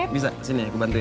bisa sini aku bantu